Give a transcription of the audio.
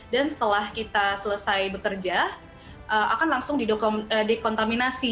dan setelah kita selesai bekerja akan langsung dikontaminasi